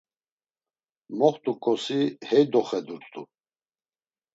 Moxt̆ukosi hey doxedurt̆u.